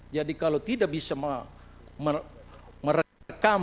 kalau tidak bisa merekam